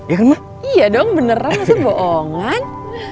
iya dong beneran lu tuh boongan